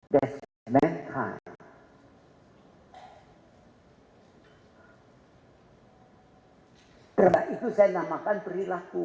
dan kemudian dengan err